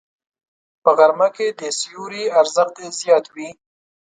په غرمه کې د سیوري ارزښت زیات وي